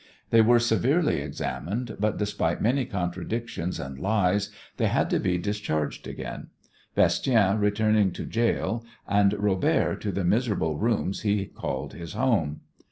They were severely examined, but despite many contradictions and lies they had to be discharged again, Bastien returning to gaol, and Robert to the miserable rooms he called his home.